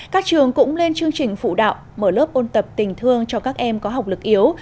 các trường cũng lên chương trình phụ đạo mở lớp ôn tập tình thương cho các em có học lực yếu